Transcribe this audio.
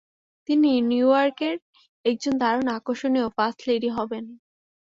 তিনি নিউইয়র্কের একজন দারুন আকর্ষণীয় ফার্স্ট লেডি হবেন।